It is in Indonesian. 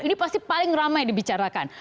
ini pasti paling ramai dibicarakan